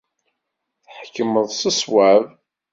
Tḥekkmeḍ s ṣṣwab.